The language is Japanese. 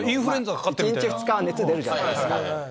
一日二日熱出るじゃないですか。